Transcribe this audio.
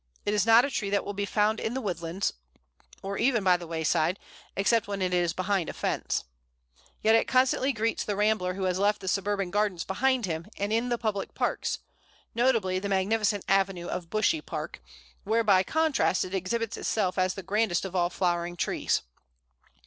It is not a tree that will be found in the woodlands, or even by the wayside, except when it is behind a fence; yet it constantly greets the rambler who has left the suburban gardens behind him, and in the public parks notably the magnificent avenue of Bushey Park where by contrast it exhibits itself as the grandest of all flowering trees.